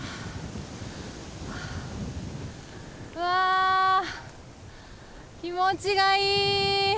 うわ気持ちがいい！